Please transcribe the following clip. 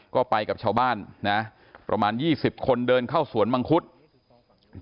ก็ไปกับชาวบ้านนะประมาณ๒๐คนเดินเข้าสวนมังคุด